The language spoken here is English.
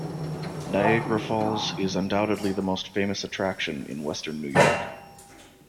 Niagara Falls is undoubtedly the most famous attraction in Western New York.